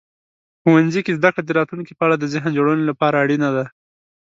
ښوونځي کې زده کړه د راتلونکي په اړه د ذهن جوړونې لپاره اړینه ده.